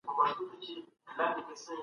د ښاري ژوند د کډه په شاته حالت کي وضاحت لري.